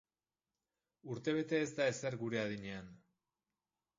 Urtebete ez da ezer gure adinean.